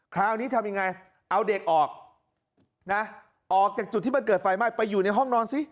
คราวนี้ทำยังไงเอาเด็กออกนะออกจากจุดที่มันเกิดไฟไหม้ไปอยู่ในห้องนอนซิ